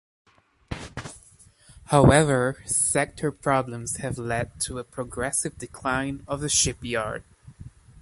However, sector problems have led to a progressive decline of the shipyard.